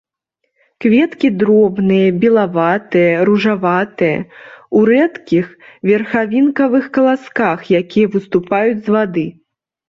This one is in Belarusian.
Кветкі дробныя, белаватыя, ружаватыя, у рэдкіх верхавінкавых каласках, якія выступаюць з вады.